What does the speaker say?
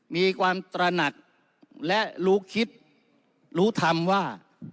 มีความตระหนักและรู้คิดรู้ธรรมว่า